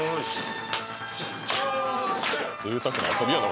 ぜいたくな遊びやな